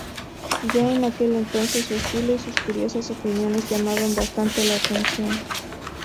Ya en aquel entonces, su estilo y sus curiosas opiniones llamaban bastante la atención.